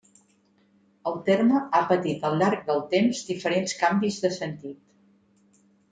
El terme ha patit al llarg del temps diferents canvis de sentit.